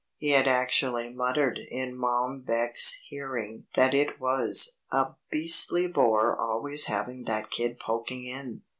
He had actually muttered in Mom Beck's hearing that it was "a beastly bore always having that kid poking in."